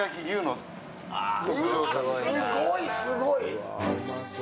うわ、すごい、すごい。